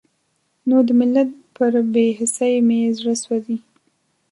نو د ملت پر بې حسۍ مې زړه سوزي.